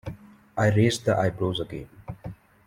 I raised the eyebrows again.